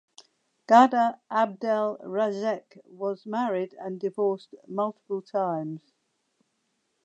Ghada Abdel Razek was married and divorced multiple times.